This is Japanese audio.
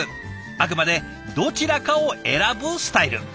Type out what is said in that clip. あくまでどちらかを選ぶスタイル。